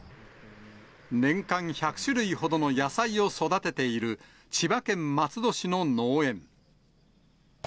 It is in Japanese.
年間１００種類ほどの野菜を育てている、千葉県松戸市の農園。